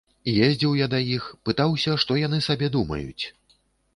Ездзіў я да іх, пытаўся, што яны сабе думаюць.